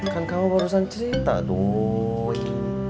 kan kamu barusan cerita dong